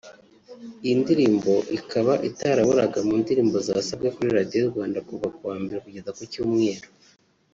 Iyi ndirimbo ikaba itaraburaga mu ndirimbo zasabwe kuri radio Rwanda kuva kuwa mbere kugeza kucyumweru